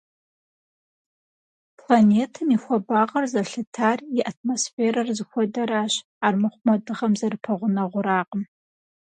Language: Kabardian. Планетэм и хуэбагъыр зэлъытар и атмосферэр зыхуэдэращ, армыхъумэ Дыгъэм зэрыпэгъунэгъуракъым.